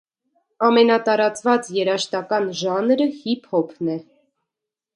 Ամենատարածված երաժշտական ժանրը հիփ հոփն է։